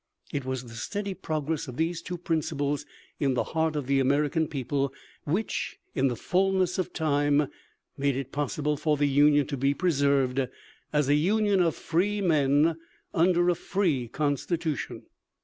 It was the steady progress of these two principles in the heart of the American people which in "the fullness of time" made it possible for the Union to be preserved as a union of free men under a free constitution.